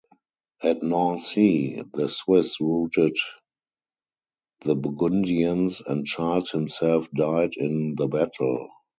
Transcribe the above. At Nancy, the Swiss routed the Burgundians, and Charles himself died in the battle.